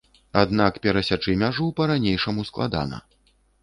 Аднак перасячы мяжу па-ранейшаму складана.